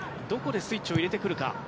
どこでスイッチを入れてくるか。